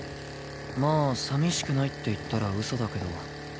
まあ寂しくないって言ったら嘘だけど。